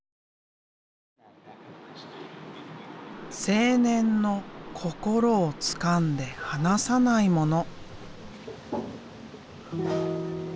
青年の心をつかんで離さないもの。